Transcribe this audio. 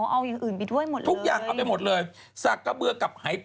เอาอย่างอื่นไปด้วยหมดเลยเลย